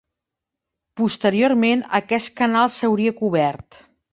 Posteriorment aquest canal s'hauria cobert.